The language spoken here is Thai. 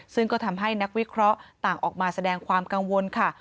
ซึ่งก็ทำให้นักวิเคราะห์ต่างออกมาแสดงความกังวลค่ะ